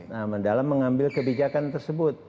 nah dalam mengambil kebijakan tersebut